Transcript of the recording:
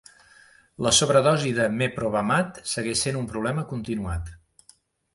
La sobredosi de meprobamat segueix sent un problema continuat.